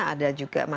ada juga masalah